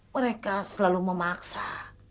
mereka selalu memaksa